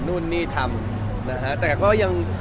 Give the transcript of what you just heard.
อ๋อน้องมีหลายคน